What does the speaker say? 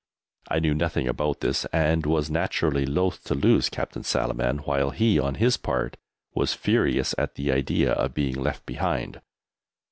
I knew nothing about this, and was naturally loth to lose Captain Salaman, while he, on his part, was furious at the idea of being left behind.